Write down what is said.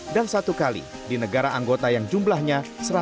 dan satu kali di negara anggota yang jumlahnya satu ratus delapan puluh sembilan